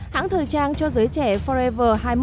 hãng thời trang cho giới trẻ forrever hai mươi một